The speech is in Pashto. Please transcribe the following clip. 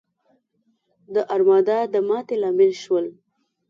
د ارمادا د ماتې لامل شول.